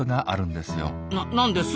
な何です？